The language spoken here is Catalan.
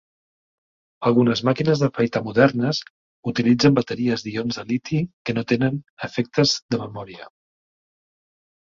Algunes màquines d'afaitar modernes utilitzen bateries d'ions de liti que no tenen efectes de memòria.